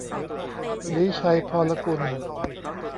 ลี้ชัยพรกุล